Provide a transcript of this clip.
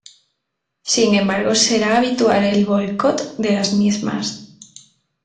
Sin embargo, será habitual el boicot de las mismas.